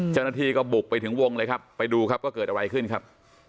เจ้าหน้าที่ก็บุกไปถึงวงเลยครับไปดูครับว่าเกิดอะไรขึ้นครับ